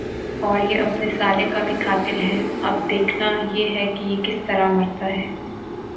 اور یہ اپنے سالے کا بھی قاتل ھے۔ اب دیکھنا یہ ھے کہ یہ کس طرع مرتا ھے۔